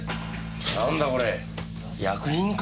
なんだこれ薬品か？